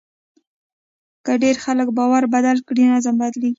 که ډېر خلک باور بدل کړي، نظم بدلېږي.